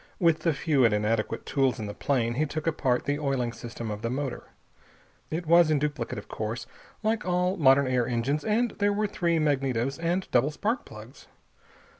With the few and inadequate tools in the plane he took apart the oiling system of the motor. It was in duplicate, of course, like all modern air engines, and there were three magnetos, and double spark plugs.